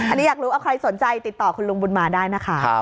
อันนี้อยากรู้เอาใครสนใจติดต่อคุณลุงบุญมาได้นะคะ